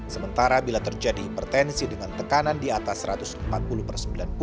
sementara bila terjadi hipertensi dengan tekanan di atas satu ratus empat puluh per sembilan puluh